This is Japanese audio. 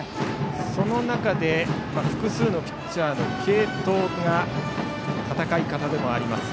その中で複数のピッチャーの継投が戦い方でもあります